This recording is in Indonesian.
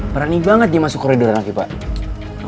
berani banget dia masuk koridor nanti pak